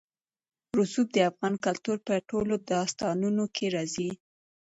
رسوب د افغان کلتور په ټولو داستانونو کې راځي.